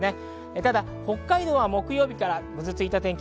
ただ北海道は木曜日からぐずついた天気。